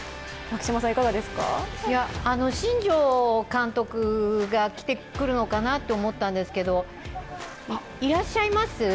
新庄監督が着てくるのかなと思ったんですけど、いらっしゃいます？